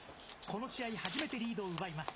この試合、初めてリードを奪います。